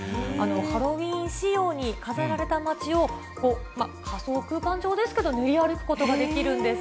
ハロウィーン仕様に飾られた街を、仮想空間上ですけれども、練り歩なるほどね。